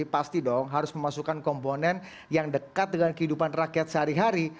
pasti dong harus memasukkan komponen yang dekat dengan kehidupan rakyat sehari hari